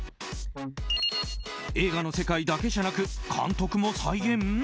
映画の世界だけじゃなく監督も再現？